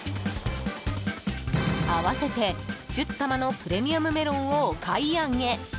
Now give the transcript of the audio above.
合わせて１０玉のプレミアムメロンをお買い上げ。